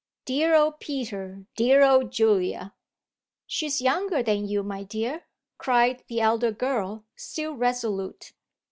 Dear old Peter, dear old Julia!" "She's younger than you, my dear!" cried the elder girl, still resolute.